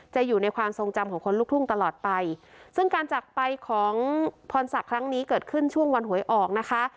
อยู่ในความทรงจำของคนลูกทุ่งตลอดไปซึ่งการจักรไปของพรศักดิ์ครั้งนี้เกิดขึ้นช่วงวันหวยออกนะคะ